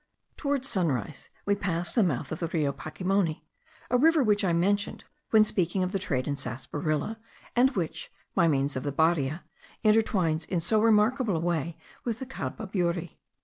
Towards sunrise we passed the mouth of the Rio Pacimoni, a river which I mentioned when speaking of the trade in sarsaparilla, and which (by means of the Baria) intertwines in so remarkable a way with the Cababuri.